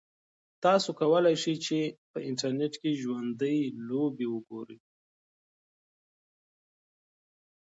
تاسو کولای شئ چې په انټرنیټ کې ژوندۍ لوبې وګورئ.